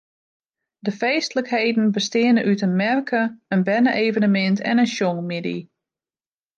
De feestlikheden besteane út in merke, in berne-evenemint en in sjongmiddei.